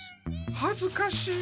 はずかしい！